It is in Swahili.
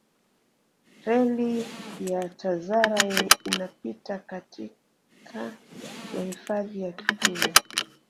reli ya tazara inapita katika ya hifadhi ya kitulo